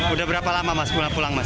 udah berapa lama mas pulang mas